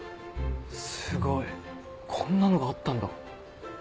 すごいこんなのがあったんだ。